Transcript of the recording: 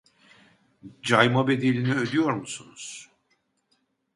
Cayma bedelini ödüyor musunuz